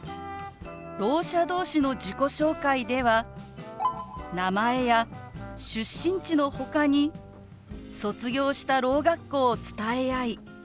ろう者同士の自己紹介では名前や出身地のほかに卒業したろう学校を伝え合い